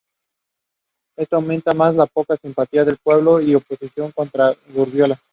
Esto aumentaba más, la poca simpatía del pueblo y oposición contra Guardiola.